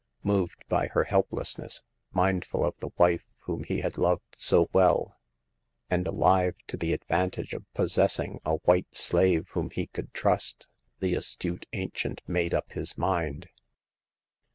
Moved by her helplessness, mindful of the wife whom he had loved so well, and alive to the advantage of possessing a white slave whom he could trust, the astute ancient made up his mind.